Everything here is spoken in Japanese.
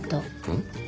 うん？